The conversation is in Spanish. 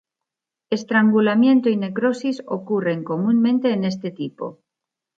Estrangulamiento y necrosis ocurren comúnmente en este tipo.